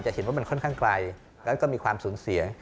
เห็นว่ามันค่อนข้างไกลแล้วก็มีความสูญเสีย